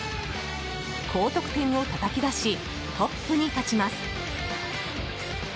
高得点をたたき出しトップに立ちます。